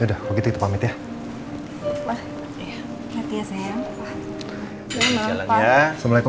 yaudah kok gitu kita pamit ya